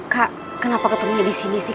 kak kenapa ketemunya disini sih